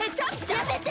やめて！